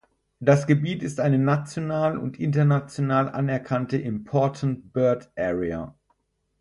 Das Gebiet ist eine national und international anerkannte Important Bird Area.